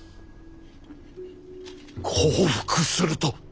降伏すると。